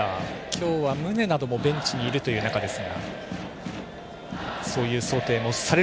今日は宗などもベンチにいる中です。